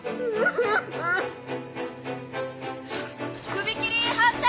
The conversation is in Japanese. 首切り反対！